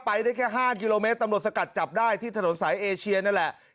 ไปได้แค่๕กิโลเมตรตำรวจสกัดจับได้ที่ถนนสายเอเชียนั่นแหละ